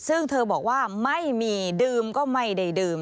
ซึ่งเธอบอกว่าไม่มีดื่มก็ไม่ได้ดื่ม